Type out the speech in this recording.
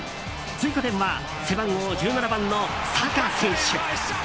追加点は背番号１７番のサカ選手。